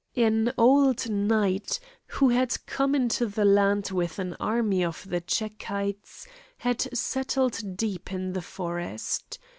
An old knight, who had come into the land with an army of the Czechites, had settled deep in the forest.